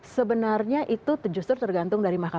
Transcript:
sebenarnya itu justru tergantung dari mahkamah